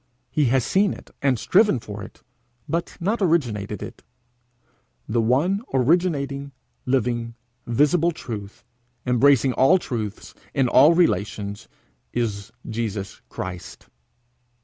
He has seen it and striven for it, but not originated it. The one originating, living, visible truth, embracing all truths in all relations, is Jesus Christ.